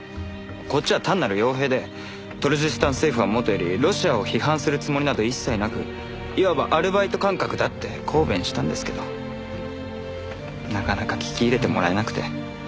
こっちは単なる傭兵でトルジスタン政府はもとよりロシアを批判するつもりなど一切なくいわばアルバイト感覚だって抗弁したんですけどなかなか聞き入れてもらえなくて。